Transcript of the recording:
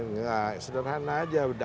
tidak sederhana saja